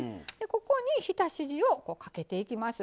ここに浸し地をかけていきます。